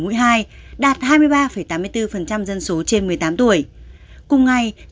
cùng ngày trung tâm y tế tỉnh hồ vĩnh long bán hành vi phòng covid một mươi chín